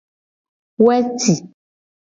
Weci.